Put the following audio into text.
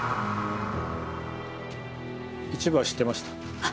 一部は知ってました。